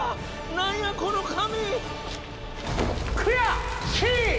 何やこの紙。